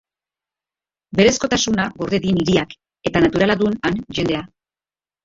Berezkotasuna gorde din hiriak, eta naturala dun han jendea.